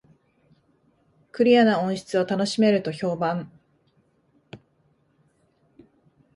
クリアな音質を楽しめると評判